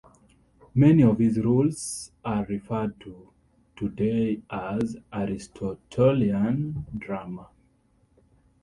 Many of his "rules" are referred to today as "Aristotelian drama".